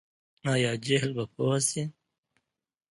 آیا جهل به پوهه شي؟